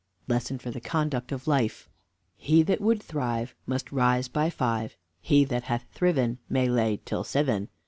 LESSON FOR THE CONDUCT OF LIFE He that would thrive, Must rise by five. He that hath thriven, May lay till seven.